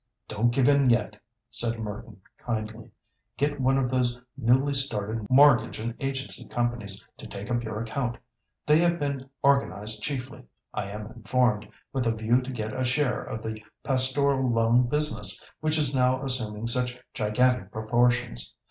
"Don't give in yet," said Merton kindly. "Get one of these newly started Mortgage and Agency Companies to take up your account. They have been organised chiefly, I am informed, with a view to get a share of the pastoral loan business, which is now assuming such gigantic proportions.